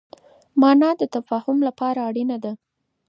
مانا د تفاهم لپاره اړينه ده.